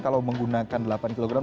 kalau menggunakan delapan kilogram